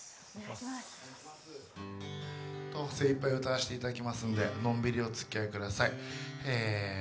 どうも精いっぱい歌わせていただきますんでのんびりおつきあいください。